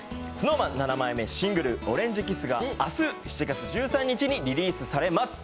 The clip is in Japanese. ＳｎｏｗＭａｎ７枚目のシングル、「オレンジｋｉｓｓ」が明日７月１３日にリリースされます。